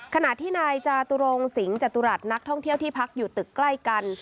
ขณะที่นายจาตุรงสิงห์จตุรัสนักท่องเที่ยวที่พักอยู่ตึกใกล้กัน